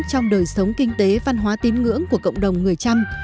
trong đời sống kinh tế văn hóa tín ngưỡng của cộng đồng người trăm